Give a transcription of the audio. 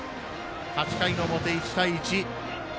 ８回の表、１対１。